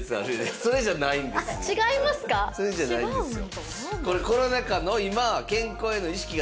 それじゃ無いんですよ。